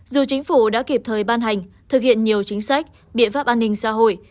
dù chính phủ đã kịp thời ban hành thực hiện nhiều chính sách biện pháp an ninh xã hội